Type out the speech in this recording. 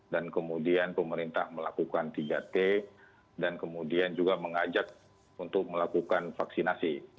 dan kemudian pemerintah melakukan tiga t dan kemudian juga mengajak untuk melakukan vaksinasi